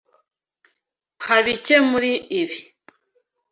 Mpa bike muri ibi.